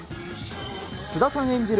菅田さん演じる